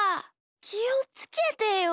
きをつけてよ。